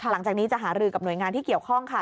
หลังจากนี้จะหารือกับหน่วยงานที่เกี่ยวข้องค่ะ